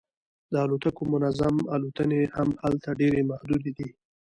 د الوتکو منظم الوتنې هم هلته ډیرې محدودې دي